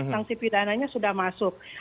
sanksi pidananya sudah masuk